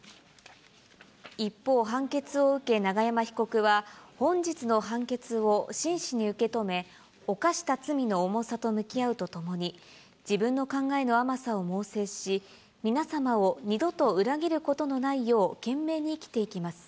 一方、判決を受け、永山被告は、本日の判決を真摯に受け止め、犯した罪の重さと向き合うとともに、自分の考えの甘さを猛省し、皆様を二度と裏切ることのないよう懸命に生きていきます。